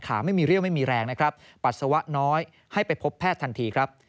ไม่มีเรี่ยวไม่มีแรงนะครับปัสสาวะน้อยให้ไปพบแพทย์ทันทีครับ